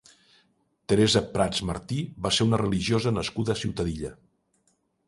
Teresa Prats Martí va ser una religiosa nascuda a Ciutadilla.